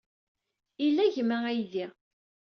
Ila gma aydi.